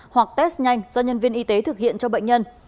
hoặc test nhanh do nhân viên y tế thực hiện cho bệnh nhân